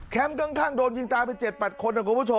แคมป์ข้างโดนยิงตายไป๗๘คน